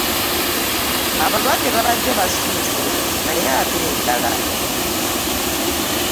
Abalwadde babadde bassuuse naye ate enjala!